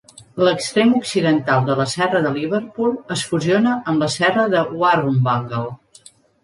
L'extrem occidental de la serra de Liverpool es fusiona amb la serra de Warrumbungle.